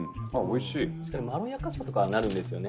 「まろやかさとかはなるんですよね